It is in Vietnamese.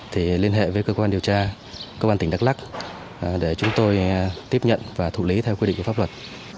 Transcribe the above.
thì liên hệ với cơ quan điều tra công an tỉnh đắk lắc để chúng tôi tiếp nhận và thụ lý theo quy định của pháp luật